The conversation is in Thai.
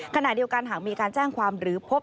ขณะเดียวกันหากมีการแจ้งความหรือพบ